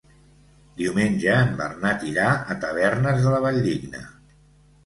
Diumenge en Bernat irà a Tavernes de la Valldigna.